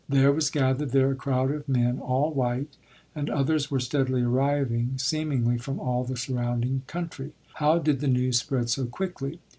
There was gathered there a crowd of men, all white, and others were steadily arriving, seemingly from all the surrounding country. How did the news spread so quickly?